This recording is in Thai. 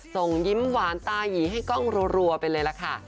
ส่งยิ้มหวานตายีให้กล้องรัวไปเลยล่ะค่ะ